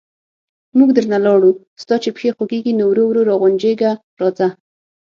موږ درنه لاړو، ستا چې پښې خوګېږي، نو ورو ورو را غونجېږه راځه...